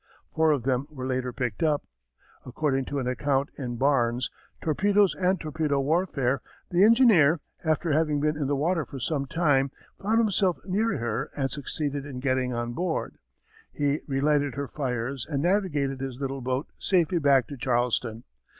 Four of them were later picked up. According to an account in Barnes, Torpedoes and Torpedo Warfare, the engineer, after having been in the water for some time, found himself near her and succeeded in getting on board. He relighted her fires and navigated his little boat safely back to Charleston.